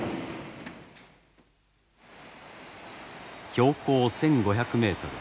標高１，５００メートル。